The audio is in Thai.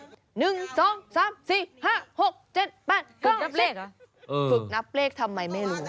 ฝึกนับเลขทำไมไม่รู้